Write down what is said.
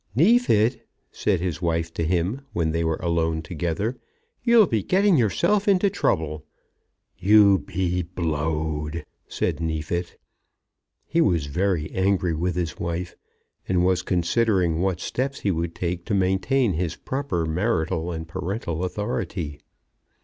"Neefit," said his wife to him when they were alone together, "you'll be getting yourself into trouble." "You be blowed," said Neefit. He was very angry with his wife, and was considering what steps he would take to maintain his proper marital and parental authority.